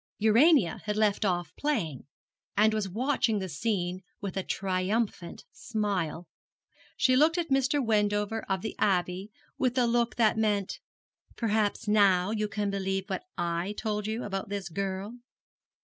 Urania had left off playing, and was watching the scene with a triumphant smile. She looked at Mr. Wendover of the Abbey with a look that meant, 'Perhaps now you can believe what I told you about this girl?'